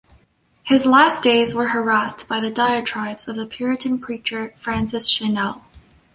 His last days were harassed by the diatribes of the Puritan preacher, Francis Cheynell.